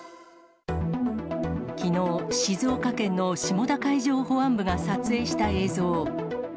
きのう、静岡県の下田海上保安部が撮影した映像。